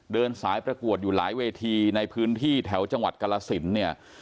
เดินสายประกวดอยู่หลายเวทีในพื้นที่แถวจังหวัดกรสินเนี่ย